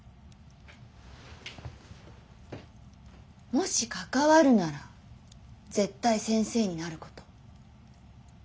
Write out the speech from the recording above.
もし関わるなら絶対先生になること。